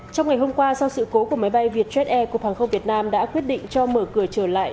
trong ngày hôm qua sau sự cố của máy bay vietjet air cục hàng không việt nam đã quyết định cho mở cửa trở lại